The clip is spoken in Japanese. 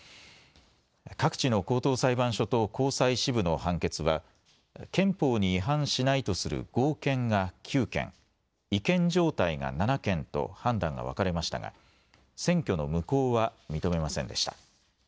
各地の高等裁判所と高裁支部の判決は憲法に違反しないとする合憲が９件、違憲状態が７件と判断が分かれましたが選挙の無効は認めませんでした。